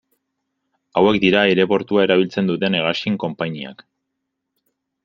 Hauek dira aireportua erabiltzen duten hegazkin konpainiak.